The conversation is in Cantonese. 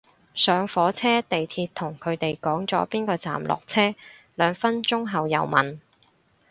上火車地鐵同佢哋講咗邊個站落車，兩分鐘後又問